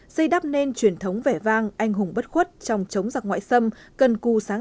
xây đắp nên truyền thống vẻ vang anh hùng bất khuất trong chống giặc ngoại xâm